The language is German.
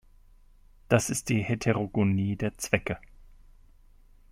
Das ist die Heterogonie der Zwecke.